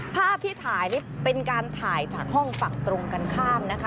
ภาพที่ถ่ายนี่เป็นการถ่ายจากห้องฝั่งตรงกันข้ามนะคะ